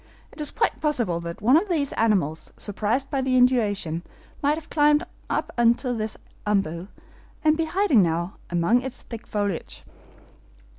It is quite possible that one of these animals, surprised by the inundation, might have climbed up into this OMBU, and be hiding now among its thick foliage."